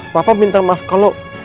papa minta maaf kalau